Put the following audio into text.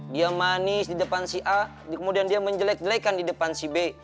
dia manis di depan si a kemudian dia menjelek jelekkan di depan si b